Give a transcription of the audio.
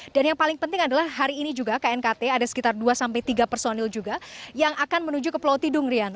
dan yang paling penting adalah hari ini juga knkt ada sekitar dua tiga personil juga yang akan menuju ke pulau tidung rian